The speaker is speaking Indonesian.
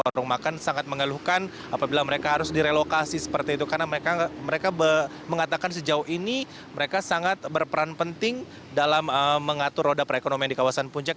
warung makan sangat mengeluhkan apabila mereka harus direlokasi seperti itu karena mereka mengatakan sejauh ini mereka sangat berperan penting dalam mengatur roda perekonomian di kawasan puncak